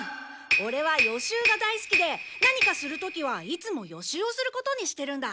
オレは予習が大すきで何かする時はいつも予習をすることにしてるんだ。